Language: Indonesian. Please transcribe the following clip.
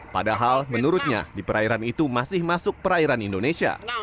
padahal menurutnya di perairan itu masih masuk perairan indonesia